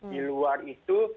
di luar itu